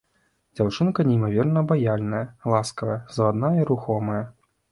Дзяўчынка неймаверна абаяльная, ласкавая, завадная і рухомая.